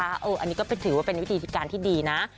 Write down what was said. อันนี้ก็ถือว่าเป็นวิธีการที่ดีนะ